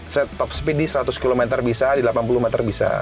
set top speed di seratus km bisa di delapan puluh meter bisa